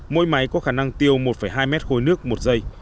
mỗi máy có khả năng tiêu một hai mét khối nước một giây